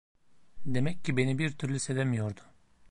Demek ki beni bir türlü sevemiyordu.